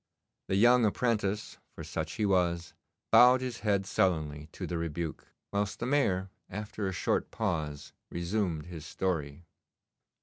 The young apprentice, for such he was, bowed his head sullenly to the rebuke, whilst the Mayor, after a short pause, resumed his story.